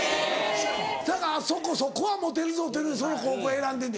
せやからそこはモテるぞとその高校選んでんねん。